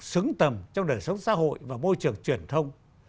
xứng tầm trong đời sống xã hội và môi trường truyền thông